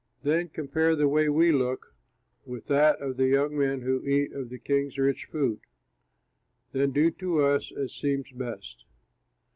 Then compare the way we look with that of the young men who eat of the king's rich food. Then do to us as seems best."